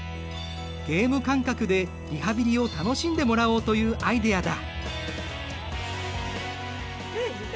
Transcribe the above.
ゲーム感覚でリハビリを楽しんでもらおうというアイデアだ。